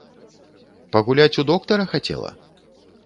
Пагуляць у доктара хацела?